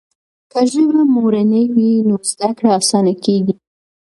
که ژبه مورنۍ وي نو زده کړه اسانه کېږي.